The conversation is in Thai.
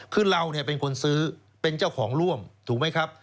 คือเราเป็นคนซื้อเป็นเจ้าของร่วมถูกไหมครับ